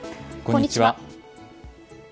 こんにちは。